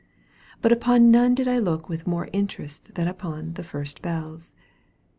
But upon none did I look with more interest than upon "the first bells."